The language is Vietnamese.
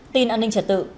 tin an ninh trả tự